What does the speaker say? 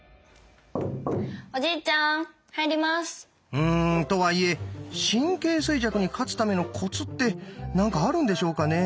うんとはいえ「神経衰弱」に勝つためのコツって何かあるんでしょうかね？